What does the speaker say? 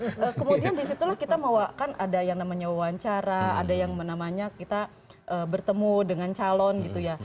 nah kemudian disitulah kita mau kan ada yang namanya wawancara ada yang namanya kita bertemu dengan calon gitu ya